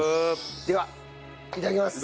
ではいただきます！